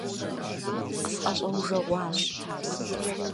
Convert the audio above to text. – КъысӀэщӀэужэгъуащ…